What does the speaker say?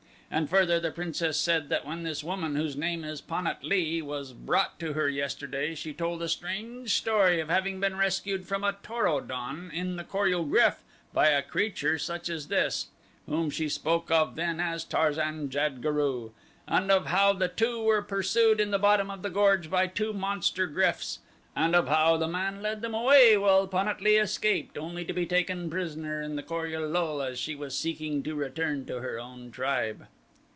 And further the princess said that when this woman, whose name is Pan at lee, was brought to her yesterday she told a strange story of having been rescued from a Tor o don in the Kor ul GRYF by a creature such as this, whom she spoke of then as Tarzan jad guru; and of how the two were pursued in the bottom of the gorge by two monster gryfs, and of how the man led them away while Pan at lee escaped, only to be taken prisoner in the Kor ul lul as she was seeking to return to her own tribe.